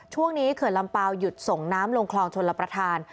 ช่วงนี้เขื่อนลำเปล่าหยุดส่งน้ำลงคลองชนละประทาน